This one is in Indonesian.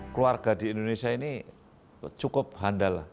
keluarga di indonesia ini cukup handal